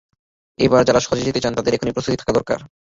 এবার যাঁরা হজে যেতে চান, তাঁদের এখনই প্রস্তুতি শুরু করা দরকার।